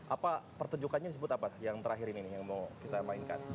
apa pertunjukannya disebut apa yang terakhir ini nih yang mau kita mainkan